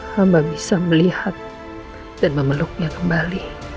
hamba bisa melihat dan memeluknya kembali